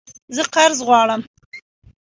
زه قرض غواړم